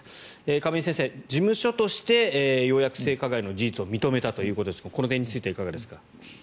亀井先生、事務所としてようやく性加害の事実を認めたということですがこの点についてはいかがですか。